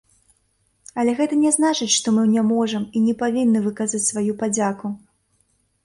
Але гэта не значыць, што мы не можам і не павінны выказаць сваю падзяку.